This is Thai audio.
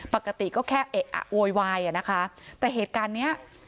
ปกติก็แค่เอะอะโวยวายอ่ะนะคะแต่เหตุการณ์เนี้ย